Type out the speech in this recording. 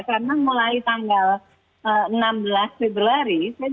karena mulai tanggal enam belas februari saya tiba tiba merasa lemes